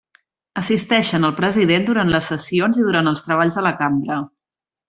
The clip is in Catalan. Assisteixen al President durant les sessions i durant els treballs de la cambra.